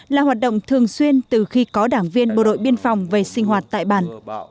là hoạt động thường xuyên từ khi có đảng viên bộ đội biên phòng về sinh hoạt tại bản